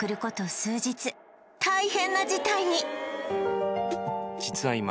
数日大変な事態に！